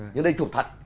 nhưng đây chụp thật